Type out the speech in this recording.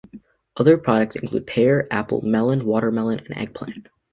Other products include pear, apple, melon, watermelon and eggplant.